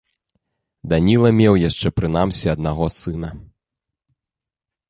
Даніла меў яшчэ прынамсі аднаго сына.